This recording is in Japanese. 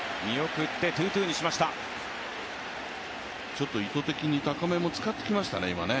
ちょっと意図的に高めも使ってきましたね。